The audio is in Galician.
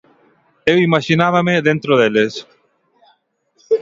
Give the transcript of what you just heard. Eu imaxinábame dentro deles.